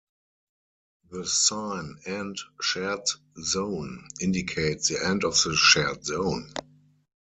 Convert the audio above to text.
The sign "End Shared Zone" indicates the end of the "shared zone".